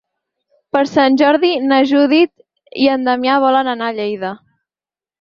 Per Sant Jordi na Judit i en Damià volen anar a Lleida.